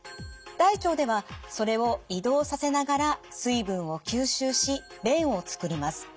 大腸ではそれを移動させながら水分を吸収し便をつくります。